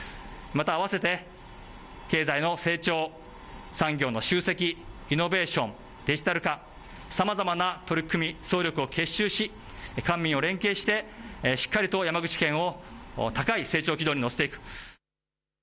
またあわせて経済の成長、産業の集積、イノベーション、デジタル化、さまざまな取り組み、総力を結集し官民連携してしっかりと山口県を高い成長軌道に乗せていく。